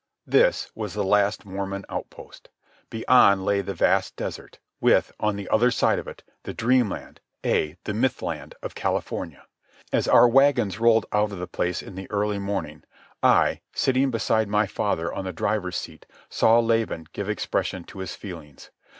This was the last Mormon outpost. Beyond lay the vast desert, with, on the other side of it, the dream land, ay, the myth land, of California. As our wagons rolled out of the place in the early morning I, sitting beside my father on the driver's seat, saw Laban give expression to his feelings.